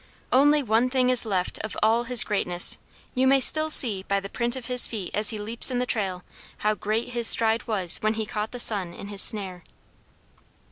Only one thing is left of all his greatness: you may still see by the print of his feet as he leaps in the trail, how great his stride was when he caught the sun in his snare.